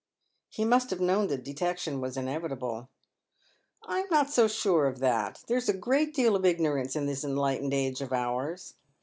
" He must have known that detection was inevitable." " I'm not so sure of that. There's a great deal of ignorance in this enlightened age of ours.